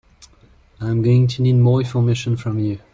I am going to need more information from you